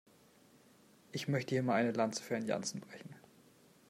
Ich möchte hier mal eine Lanze für Herrn Jansen brechen.